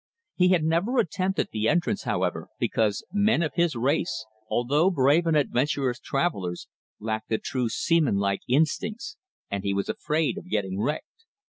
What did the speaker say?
He had never attempted the entrance, however, because men of his race, although brave and adventurous travellers, lack the true seamanlike instincts, and he was afraid of getting wrecked.